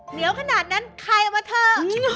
เหนียวขนาดนั้นใครเอามาเถอะ